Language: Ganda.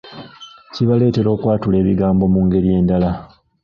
Kibaleetera okwatula ebigambo mu ngeri endala.